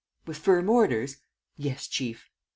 "With firm orders?" "Yes, chief."